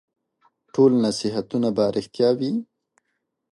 ټول نصیحتونه به رېښتیا وي ؟